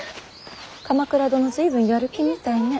鎌倉殿随分やる気みたいね。